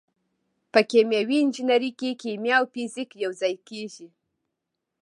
په کیمیاوي انجنیری کې کیمیا او فزیک یوځای کیږي.